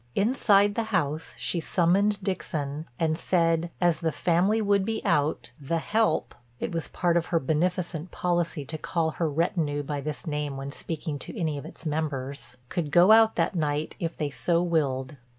Inside the house she summoned Dixon and said as the family would be out "the help"—it was part of her beneficent policy to call her retinue by this name when speaking to any of its members—could go out that night if they so willed.